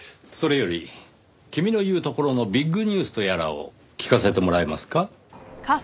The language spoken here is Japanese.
それより君の言うところのビッグニュースとやらを聞かせてもらえますか？